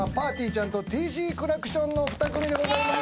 ちゃんとＴＣクラクションの２組でございます。